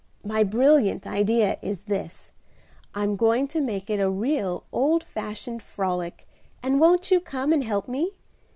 "My brilliant idea is this. I'm going to make it a real old fashioned frolic, and won't you come and help me?